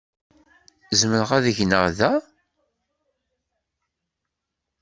Zemreɣ ad gneɣ da?